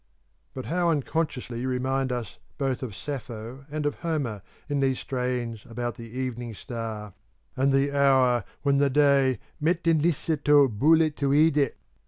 But how unconsciously you remind us both of Sappho and of Homer in these strains about the Evening Star and the hour when the Day metenisseto boulytoide?